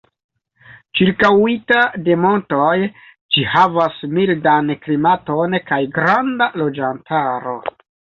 Ĉirkaŭita de montoj, ĝi havas mildan klimaton kaj granda loĝantaro.